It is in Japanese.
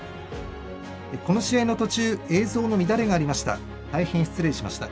この試合の途中映像の乱れがありました。